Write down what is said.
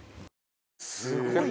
すごい。